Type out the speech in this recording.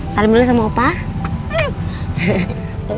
salam dulu sama papa